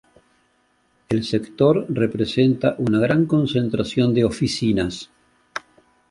El sector presenta una gran concentración de oficinas.